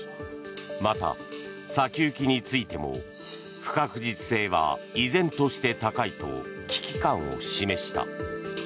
また先行きについても不確実性は依然として高いと危機感を示した。